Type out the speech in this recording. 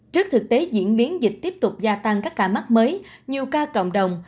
trước thực tế diễn biến dịch tiếp tục gia tăng các cả mắt mới nhiều ca cộng đồng